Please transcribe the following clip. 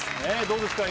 どうですか？